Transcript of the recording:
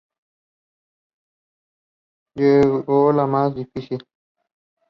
Economic and commercial relations between Spain and Antigua and Barbuda are scarce.